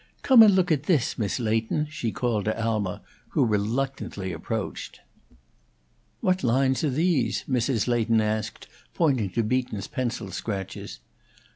"Come and look at this, Miss Leighton," she called to Alma, who reluctantly approached. "What lines are these?" Mrs. Leighton asked, pointing to Beaton's pencil scratches.